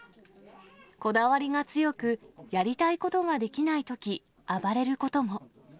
こだわりが強く、やりたいことができないとき、暴れることも。